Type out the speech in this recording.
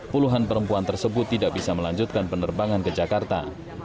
puluhan perempuan tersebut tidak bisa melanjutkan penerbangan ke jakarta